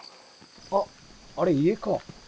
あっあれ家か？